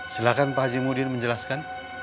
silahkan pak haji mudin menjelaskan